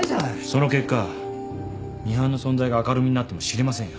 その結果ミハンの存在が明るみになっても知りませんよ。